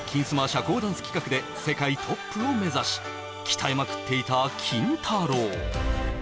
社交ダンス企画で世界トップを目指し鍛えまくっていたキンタロー。